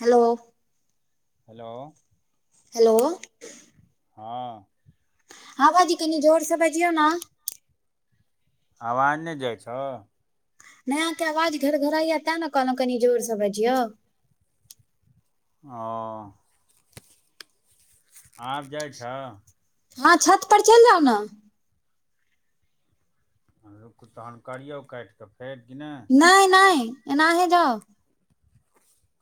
Hello! Hello! Hello! हँ। हँ भाइजी! कनि जोरसँ बजियौ ने। अवाज नहि जाइ छौ? नइ अहाँके आवाज घर- घरया, तें ने कहलहुँ कनि जोरसँ बजियौ। ओ! आब जाइ छो? हँ, छत पर चलि जाउ ने। रुक तहन करियौ काटि कऽ फेर, कि नइ? नहि -नहि एनाहे जाउ।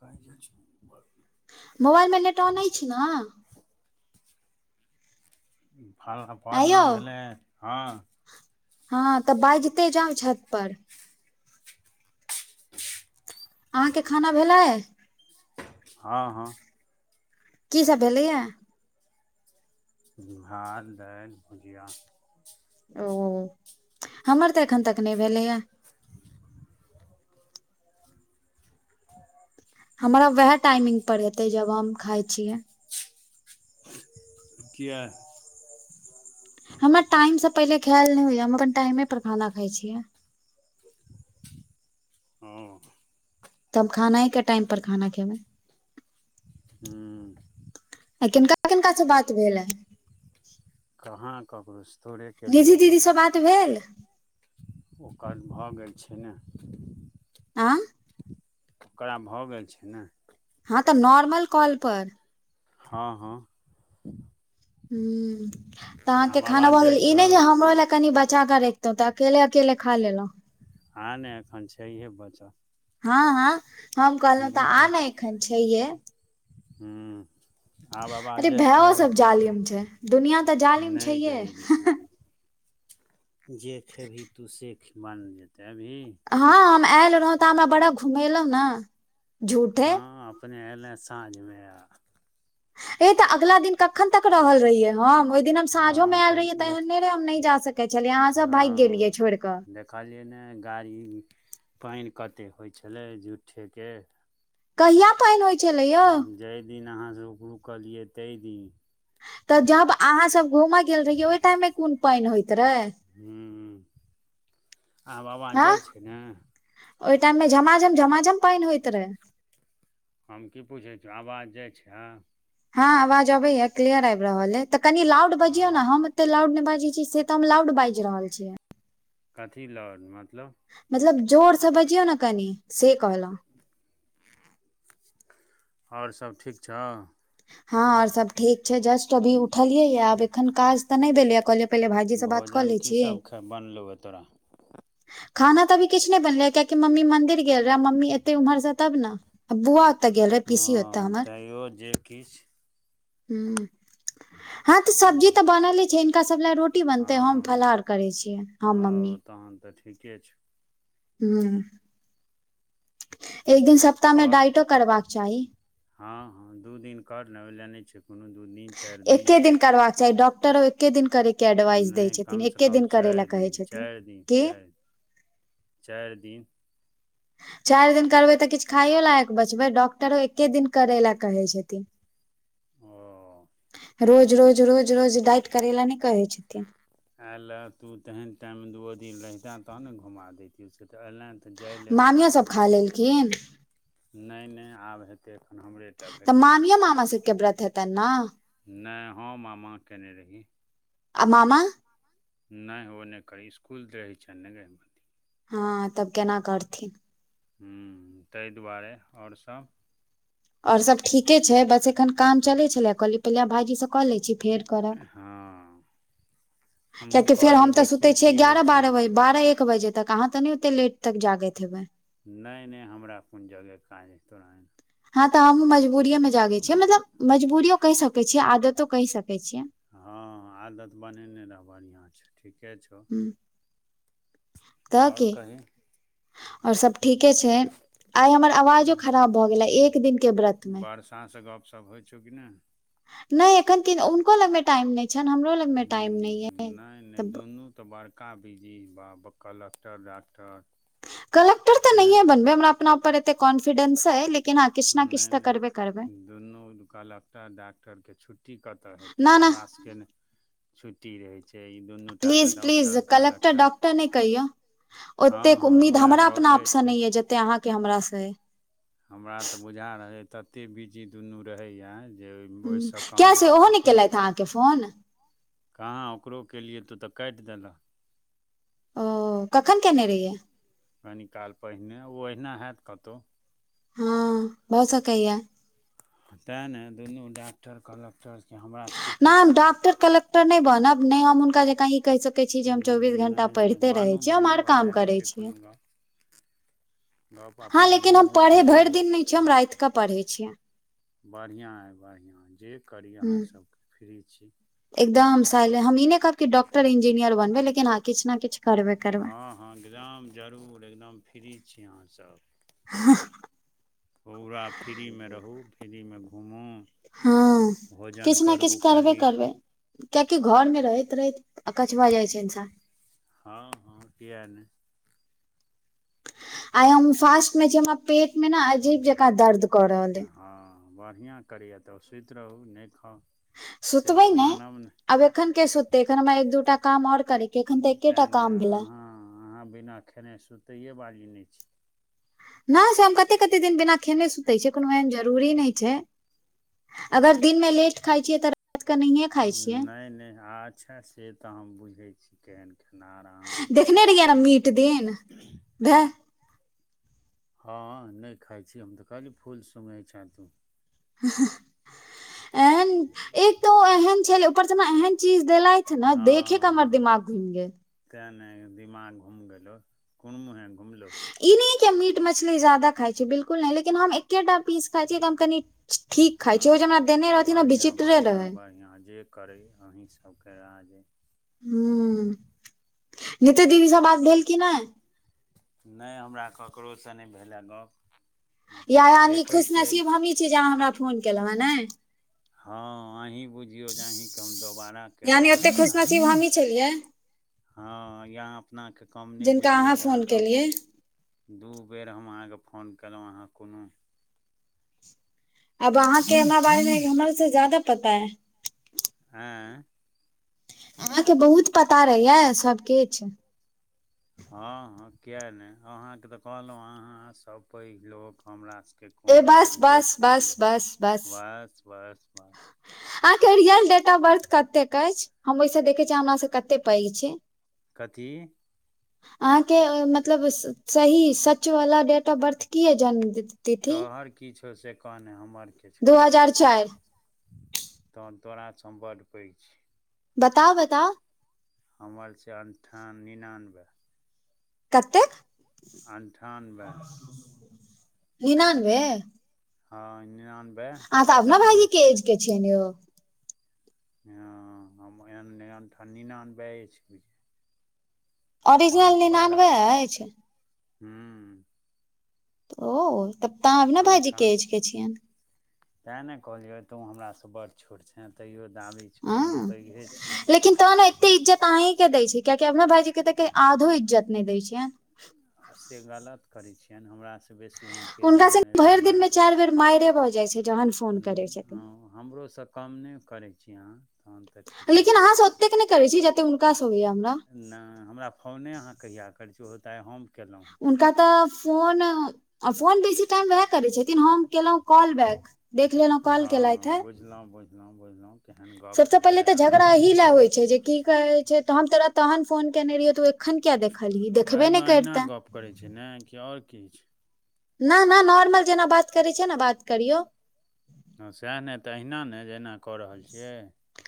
काजे छै बड निक। मोबाइल मे नेट ऑन अछि ने? फल [unintelligible] परना यौ भेलै हँ। हँ तऽ बाजिते जाउ छत पर। अहाँके खाना भेलै? हँ- हँ। की सब भेलैय? भात- दालि भुजिया। ओ, हमर तऽ एखन तक नहि भेलैया। हमरा वएह टाइमिंग पर हेते, जब हम खााय छियै। से किया? हमरा टाइम से पहिले खयायल नहि होइया, हम अपन टाइमे पर खाना खााय छियै। हँ। तब खाना ही के टाइम पर खाना खेबै। हूँ। आइ किनका -किननका से बात भेल है? कहाँ केकरो से। निधी दीदीसँ बात भेल? ओकर भऽ गेल छै ने। आँ। ओकरा भऽ गेल छै ने। हँ तऽ नॉर्मल कॉल पर। हँ हँ। हूँ तऽ अहाँके आब खाना आवाज ब जाइ गेल ई छौ नहि जे हमरो लए कनि बचा के रैख? तब तऽ अकेेल -अकेेल खा लेलौ। आ नै एखन छैहे बचल। हँ हँ हम कहलौ हूँ तऽ आ हूँ ने एखन छैहे। हूँ। आब अरे आवाज जाइ छै भायो सब जालिम छै दुनिया तऽ जालिम नै छैहे गै? जे खेबही तू से बन जेतै एबही? हँ हम एल रहौ तऽ हमरा बड़ा घुमेलै नऽ। हँ अपने एले साँझ मे आ। ए तऽ अगला दिन कखन तक रहल रहियै हम ओय दिन हम सांझो मे हँ अल तब रहियै तऽ देख एहने नै रहै हम नै जा सके छेलियै अहाँ सब भाइग गेलियै। छोइड़ कऽ। कहलियै ने गाड़ी पैन कतेक होइ छेलै झुठे के कहिया पानइन होइ छलै यौ जैय दिन अहाँ सँ रुक रुकलियै तैय दिन। तऽ जब आहाँ सब घूमऽ गेल रहियै ओय टाइम में कोन पैन होयइत रहे? हूँ आब आबाज जाइ छै ने? ओय टाइम मे झमाझम झमाझम पैन होइत रहै। हम की पुछै छियो आवाज जाइ छै? हँ अवाज आबैए क्लियर आइब रहल अइ तऽ कनी लाउड बजियौ हँ ने, हम एते लाउड नै बाजै छीयै से? तब लाउड बैज रहल छै। कथी लौउड मतलब? मतलब जोरसँ बजियौ न कनि। से कहलहुँ और सब ठीक छौ? हँ और सब ठीक छै जस्ट तऽ अभी उठलियै आब एखन काज तऽ नै भेलैए कहलियै पहिले भाईजी से बात कऽ लेै छी। ए बानलो एअ तोरा? खाना तऽ अभी किछु नै बनलै कियाकि मम्मी मन्दिर गेल रहै मम्मी एते उम्हरसँ तब न। बुआ ओतऽ गेल रहै पीसी ओतऽ हमर। कहियो जे। किछ हूँ। हँ तऽ सब्जी हूँ तऽ बनले छै हिनका सब लए रोटी बनतै हम फलाहार करै छियै। हम मम्मी हँ तहन तऽ ठीके छो। हूँ। एक दिन सप्ताह मे आओर डाइटो करबाक चाही। हँ हँ दू दिन कर नऽ ओय लेए नै छै कोनो दू दिन चैर दिन। करबाक चाही डॉक्टरो एके दिन करैके एडवाइस दै नहि छथिन कमसँ एके कम दिन करै लेल चारि कहै दिन छथिन कि चैर दिन चैर दिन करबै तऽ किछ खाइयो लायक बचबै डॉक्टरो एके दिन करे लए कहै छथिन। ओ रोज रोज रोज-रोज डाइट करै लै नहि कहै छथिन। एंलै तू तेहन टाइममे दुइओ दिन रहितैं, तहन न घुमा देैतियौ, से तऽ एलैं तऽ जाइ ले उताहू आ लेलखिन नहि-नहि आब हेतै एखन हमरे टा तऽ भेलै मामियो-मामा सभके व्रत हेतनि न? नहि हम आ मां केने रही। आ मामा? नहि ओ नहि करी इसकुल रहै छैन ने गै हँ तब केना करथिन। हँ, ताहि दुआरे आओर सभ। आओर सभ ठीके छै, बस एखन काम चलै छलै, कहलियै पहिले भायजीसँ कऽ लै छी, फेर करब हँ हमहूँ कियैकि कहलियै हम त देखियै सुतय छियै की होइ ग्यारह छै बारह बारह एक बजे तक अहाँ तऽ नै ओते लेट तक जागैत हेबै। नहि-नहि हमरा कोन जग के काज अहि तोरा जेना हँ, तऽ हमहूँ मजबूरीयेमे जागै छियै, मतलब मजबूरीयो कहि सकै छियै, आदतो कहि सकै छियै। हँ, आदत बनेने रहऽ बढ़िआँ छौ ठीके छौ। हूं तऽ आओर के कही आओर सब ठीके छै, आइ हमर आवाजो खराब भऽ गेलै एक दिनके व्रतमे। माॅं स गपसप होइ छौ कि नहि? नहि, एखन किन हुनको लगमे टाइम नहि छनि, हमरो लगमे टाइम नहि यऽ तऽ ब तो बड़का बिजी बाप रे कलक्टर, डॉक्टर कलक्टर तऽ नहिए बनबै, हमरा अपना ऊपर एते कॉन्फिडेंस अइ, लेकिन हँ, किछ ना किछ नहि तऽ करबे करबै दुनू कलक्टर, डाक्टरके छुट्टी कतय हेतै ना ना हमरा सभके ने छुट्टी रहै छै ई दुनू टा तऽ डॉक्टर, कलक्टर ओतेनै कहियौ ओतेक उम्मीद वएह हमरा अपना गपे आपसँ छै नै यऽ जते अहाँके हमरा स अइ हमरा तऽ बुझा रहै तऽ एते बिजी दुनू रहैए जे ओहिस कम किया से ओहो नहि ककरो केलथि अहाँके फोन कहां ओकरो केलियै त ओत काटि देलक। ओ कखन केने रहियै? कनि काल पहिने ओ अहिना हैत कतहु। हँ भ सकैया। हं तैं ने दुनू डाक्टर, कलक्टर छै हमरा सबके के पूछत टर नै बनब नै हम हुनका जकाँ इ कहि सकै कै छी जे हम चौबीस घंटा नहि नहि पढ़िते रहै बानू छियै हम बानू हर एहि काम लए नहि करै छै छियै। कोनो गप गप हां अपने लेकिन हम घूमू पढ़ै फिरू भरि दिन नहि छियै हम रात क पढ़ै छियै। बढ़िया अइ बढ़िया जे करी हूँ अहाँसबके फ्री छी। एकदम साइले हम इ नै कहब कि डॉक्टर, इंजीनियर बनबै लेकिन हं किछ ना किछ हं हं एकदम जरूर एकदम फ्री छी अहाँसब। हह पुरा फ्री मे रहू फ्रीमे घूमू हं भोजन किछ ने किछ करू करबे खाली करबै कियेकि घर मे रहैत रहैत अकच्छ भ जाइ छै इंसान। हं हं किया नै। आइ हम फ़ास्ट में छी हमरा पेट मे न अजीब जेंका दर्द कऽ रहल अइ ह बड़िया करैए तऽ सुति रहू नै खाउ। से सुतबै तऽ नै मानब नहि आब एखन के सुततै एखन हमरा एक दूटा काम और करै एखन तऽ एकेटा काम भेला। अहा बिना खेने सुतैए बाली नै छी। न से हम कते कते दिन बिना खेने सुते छी कोनो एहन जरूरी नै छै। अगर दिन में लेट खाइ छियै तऽ रातक नैहे नै नै अच्छा से त हम बुझे छी केहन खेनहार अहाँ देखने रहियै ने मीत दिन भए। हँ नै खाइ छै हम तऽ कहलिय फूल सुंघै छै तू। एहन एक त एहन छलै ऊपरस ओ एहन चीज देलै थ ना देखे क हमर दिमाग घुमिगेल। त ने दिमाग घुम गेलो कुन मुँहे घुमलो? इ नैयै कि हम मीट मछली जादा खाइ छी बिल्कुल नै लेकिन हम एकेटा पीस खाइ छियै तऽ हम कनी ठीक खाइ छै ओ जे हमरा देने रहै ओ विचित्रे रहै। तय अहाँ जे करैय अही सबके राज्य अइ। हू नितू दीदीसँ बात भेल की नै। नै हमरा ककरोसँ नै भेलए गप्प। या यानि खुशनसीब हमही छी जे अहाँ हमरा फोन केलहुँ हे नै। ह अही बुझियौ जे अहीके हम दोबारा केलहुँ है इ अहाँ हमी छलियै। ह या अपनाके कम नहि जिनका बुझियौ अहाँ फोन अहाँके केलियै ह दु बेर हम अहाँके फोन केलहुँ अहाँ कोनो अब अहाँके हमरा बारे मे हमरो से जादा पता ए। आँ? अहाके बहुत पता रहैया सबकिछ। हँ हँ किए नै अहाँके तऽ कहलहुँ अहाँसब पैघ लोक हमरास के कोन ए बस गप्प जे बस बस बस बस बस बस। आह के रियल डेट ऑफ बर्थ कते अछि हम ओहि से देखे छी हमरा से कते पैघ छी। कथी? अहाँके मतलब सही सच वला डेट ऑफ बर्थ किए जन्मतिथि। तोहर कि छौ से कहने हमर के दू छोर। हजार चारि तहन तोरासँ हम बड पैघ छी। बताऊ बताऊ। हमर छै, अनठान निनानबे। कतेक? अन्ठानबे निनानबे। हाॅं निनानबे। अहाँ त अभनव उन्नैस भाइजी ऐज के छियैन यौ। हाॅं हमए एण्ठी निनानबे छै बुझियो। ओरिजिनल पाँच बारह निनानबे अछि हूॅं। ओ तब त अहाॅं अभनव भाइजीेके ऐज के छियेन। तैं ने कहलियै तु हमरासे बड छोट छे तैयो दाबी छौ जे हम हाॅं पैघे छी लेकिन तहनत इज्जत अहीं के दैय छै कियाकि अभनव भईजी के तऽ अइ के आधो इज्जत नहि दैय छियै। आब से गलत करै छियैन हमरासे बेसी हुन हुनका संग भैर दिन मे चार बेर मारे भऽ जाइ छै, जहन फोन हुं करै छथिन हां हमरो से कम नै करै छी अहाँ तहन तऽ ठी लेकिन अहाँ से ओतैक नै करै छी जते हुनका से होइयै हमरा। नै हमरा फोने अहाँ कहिया करै छी उहो तऽ आइ हम केलौ। हुनका तऽ फोन अ फोन बेसी टाइम उहै करै छथिन, हम केलौ कॉल बैक। देख लेलो कॉल केलैथ ए नै बुझलौ। सबसे पहिले तऽ झगड़ा एही लए होइ छै जे की कहै छै तऽ हम तोरा तहन फोन केने रहियौ तू एखन किया देखलही देखबे एहिमे नै अहिना कैरते। गप करै छै नै कि और किछ? न-न नॉर्मल जेना बात करै छीयै ने बात करियौ। हाॅं सैह नै तऽ अहिना नै जेना कऽ रहल छिये?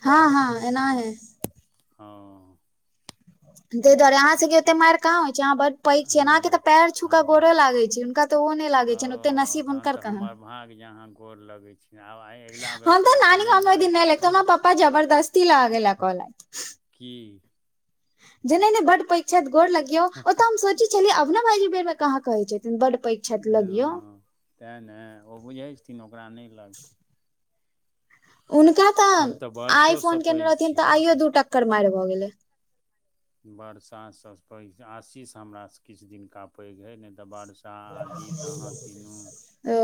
हाॅं हाॅं एनाहे। हाॅं। तै दुआरे अहाँ सबके ओते माएर कहाँ होइ छै, अहाॅं बड़ पैघ छियै नै हँ अहाँके तऽ पैर हँ छूकेऽ गोड़ो लागै छियै, हुनका तऽ ओ नहि लागै छनि ओते ओ नसीब तहन हुनकर ते कहाँ हमर भाग जे अहां गोर लगे छी आब आय अगिला हाॅं बेरसँ तऽ आब नानी नहि गाॅंव मे ओय दिन लागब नै लै त हमरा पप्पा जबरदस्ती लागे ल कहलैक। की। जे नै नै बड पैग छैथ गोड़ लगियौ, ओतऽ हम सोचै छलियै अभनव भाइजी बेरमे कहाँ कहै छथिन बड पैघ छैथ लगियौ। तैँ नै ओ बुझै छथिन ओकरा नै लग हुनका संग हम तऽ आइ वर्षोसँ फोन केने पैघ रहथिन छी तऽ आइयो दू टक्कर माएर भऽ गेले। बरसा से पैघ आशीष हमरासे किछ दिनका पैघ ऐ नै तऽ बरसा ओ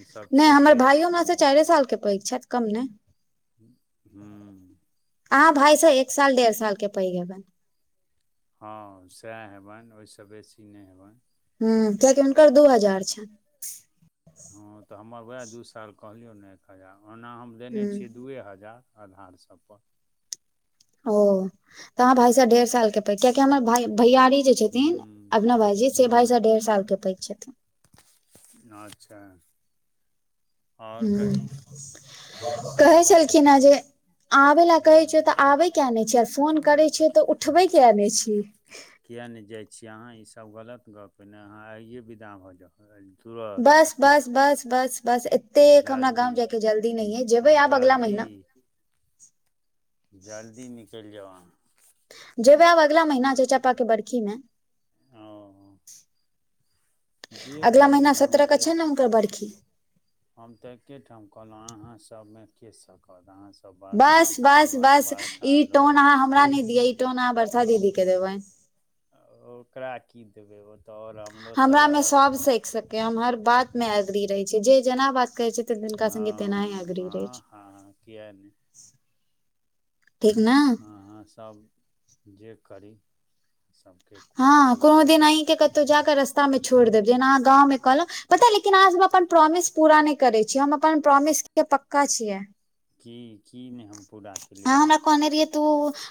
ईसभ नै छोटे हमर छी भाइयो हमरा से चारे साल के पैघ छैथ। कम नै। हूँ-हूॅं। अहाँ भाय से एक साल डेढ़ साल के पैघ हेबै। हाॅं सैह हेबैन, ओयसे बेसी नै हेबैन। हूॅं कियाकि हुनकर दू हजार छै। हाॅं तऽ हमर वैह दू साल कहलियौ ने एक हजार ओना हम देनै छियै हूँ दुइए हजार। आधार सब पर। ओ तऽ अहाॅं भाइसे ढेर साल के पैघ कियाकि हमर भाइ भैयारी जे छथिन हूँ अभिनव भाईजी से भाई हूँ से डेढ़ साल के पैघ छथिन। अच्छा। आओर कही हुं कहे छलखिन हें जे आबे लए कहे छियौ हूँ तऽ आबे किया नै छी आर फोन करे छीयो तऽ उठबे किया नै छी। किए नै जाइ छियै अहाँ? ई सब गलत गप यै नै, अहाँ आइए विदा भऽ जाउ। अ तुरत बस बस बस बस बस उम्म एतेक हमरा जल्दी गाँव जायके जल्दी नहि य जेबै उम्म आब अगला जल्दी। महीना जल्दी निकैल जाउ आहां। जेबै आब अगिला महीना चचापा के बर्खी मे। ओ। जे अगला करी महीना हम सत्रह के तै छै ने हुनकर बरखी हम तऽ एके ठाम कहलौ अहाँ सबमे के सकत अहाँ बस बस बस ई टोन लोक अहाँ हमरा नहि दिअ ई टोन अहाँ बरसा दीदी के देबैन। ओकरा की देबै ओ तऽ और हम हमरा मे सब सख सके हम हर बात में एग्री रहे जे जेना बात कहै छै त तिनका संगे हँ तेनाही एग्री रहै हँ छै। हँ किया नहि ठीक ने हँ हँ सभ जे करी सबके। हँ कोनो दिन अहींके कतहु जा कऽ रास्ता मे छोड़ देब जेना अहाँ गाँवमे कहलहु पता लेकिन अहाँ सब अपन प्रोमिस पूरा नहि करे छीयै हम अपन प्रोमिस के पक्का छियै। की की नहि हम पूरा केलयो अहाँ बाज। हमरा कहने रहियो तू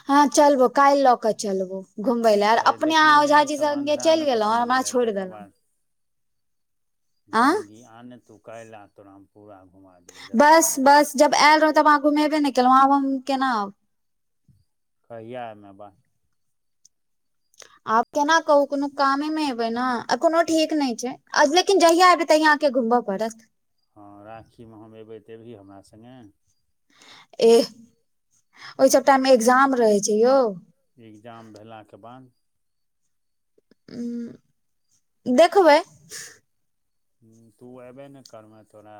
हँ चलबो काइल ल क चलबो। घुमबय ल आर अरे अपनेह देखली अहाँ नहि ओझााजी से ईसभ संगे अन्धरा चलि लऽ कऽ गेलहुं हमरा गेलै छोड़ि तकर देलहुं। बाद [unintelligible] आ आँ नहि तू काइल तोरा हम पूरा घुमा देबहो जतय बस घुम बस जब आयल रहौ तब अहाँ घुमेबे नहि केलहुँ आब हम केना आहु। कहिआ ऐबा बाज। आब केना कहू कोनो कामे मे एबै ने आ कोनो ठीक नहि छै लेकिन जहिया एबै तहिया आके घुमबऽ पड़त। हँ राखीमे हम अयबै तऽ अबही हमरा संगे। एह ओहि सब टाइम मे एकग्जाम रहे छै यौ। एग्जाम भेलाके बाद। उ देखबै। हु तू अऐबे ने करब तोरा